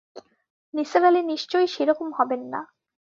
নিসার আলি নিশ্চয়ই সেরকম হবেন না।